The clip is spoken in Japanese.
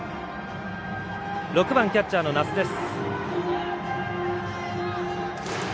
６番キャッチャーの奈須です。